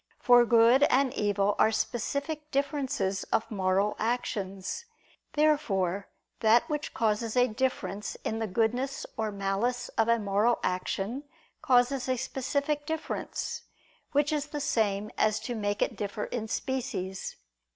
For good and evil are specific differences of moral actions. Therefore that which causes a difference in the goodness or malice of a moral action, causes a specific difference, which is the same as to make it differ in species.